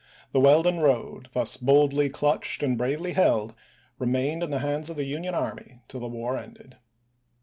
The Weldon road, thus boldly clutched and bravely held, remained in the hands of the Union army till the war ended.